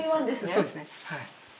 そうですねはい。